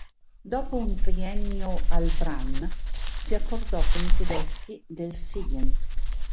Dopo un triennio al Brann, si accordò con i tedeschi del Siegen.